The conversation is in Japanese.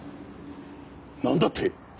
なんだって！？